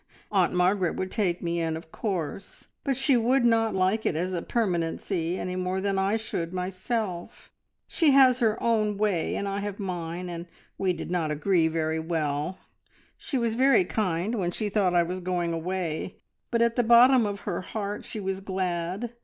Aunt Margaret would take me in, of course, but she would not like it as a permanency any more than I should myself. She has her own way, and I have mine, and we did not agree very well. She was very kind when she thought I was going away, but at the bottom of her heart she was glad.